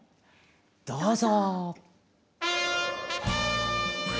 どうぞ！